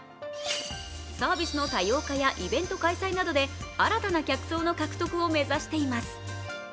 サービスの多様化やイベント開催などで新たな客層の獲得を目指しています。